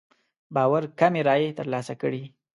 باور کمې رايې تر لاسه کړې.